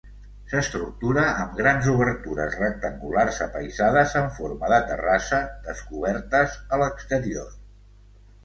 S'estructura amb grans obertures rectangulars apaïsades en forma de terrassa, descobertes a l'exterior.